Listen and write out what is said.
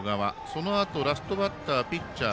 そのあと、ラストバッターピッチャー